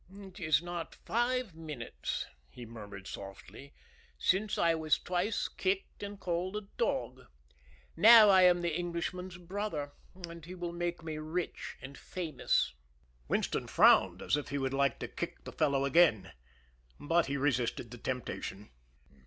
"It is not five minutes," he murmured softly, "since I was twice kicked and called a dog. Now I am the Englishman's brother, and he will make me rich and famous." Winston frowned, as if he would like to kick the fellow again. But he resisted the temptation.